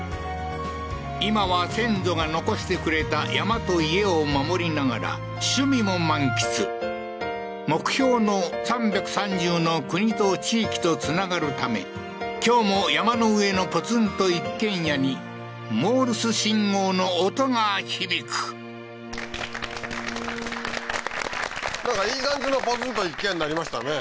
今は先祖が残してくれた山と家を守りながら趣味も満喫目標の３３０の国と地域とつながるため今日も山の上のポツンと一軒家にモールス信号の音が響くなんかいい感じのポツンと一軒家になりましたね